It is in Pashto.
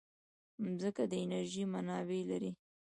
مځکه د انرژۍ منابع لري.